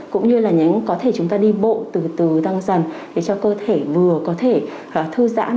cũng như là có thể chúng ta đi bộ từ từ tăng dần để cho cơ thể vừa có thể thư giãn